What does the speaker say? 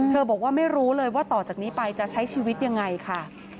บอกว่าไม่รู้เลยว่าต่อจากนี้ไปจะใช้ชีวิตยังไงค่ะ